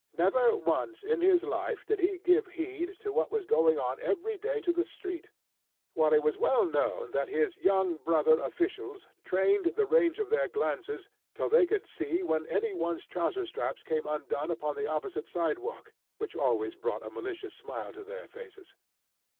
Never once in his life did he give heed to what was going on every day to the street; while it is well known that his young brother officials trained the range of their glances till they could see when any one's trouser straps came undone upon the opposite sidewalk, which always brought a malicious smile to their faces.